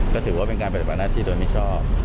ก็ถือว่าเป็นการปฏิบัติหน้าที่โดยมิชอบ